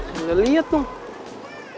gila liat tuh